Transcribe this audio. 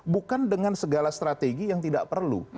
bukan dengan segala strategi yang tidak perlu